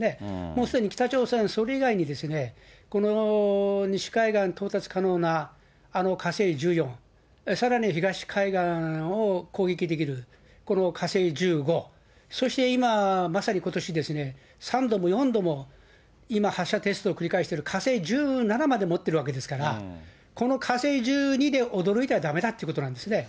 もうすでに北朝鮮、それ以外にこの西海岸到達可能なあの火星１４、さらに東海岸を攻撃できるこの火星１５、そして今、まさにことしですね、３度も４度も、今、発射テストを繰り返している火星１７まで持ってるわけですから、この火星１２で驚いてはだめっていうことなんですね。